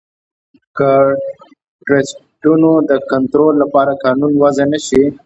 که د ټرسټونو د کنترول لپاره قانون وضعه نه شي.